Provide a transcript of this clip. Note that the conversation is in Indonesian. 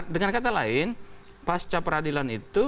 dengan kata lain pasca peradilan itu